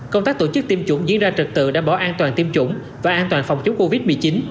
công tác tổ chức tiêm chủng diễn ra trực tự đảm bảo an toàn tiêm chủng và an toàn phòng chống covid một mươi chín